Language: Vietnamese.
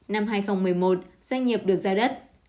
năm hai nghìn một mươi một doanh nghiệp được giao đất